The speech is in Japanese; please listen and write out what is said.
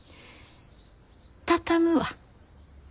畳むわ。